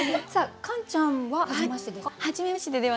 カンちゃんは「はじめまして」ですか？